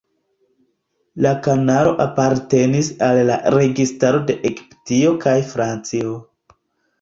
La kanalo apartenis al la registaroj de Egiptio kaj Francio.